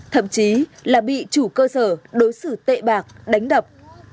thậm chí là bị chủ cơ sở đối xử tệ bạc đánh đập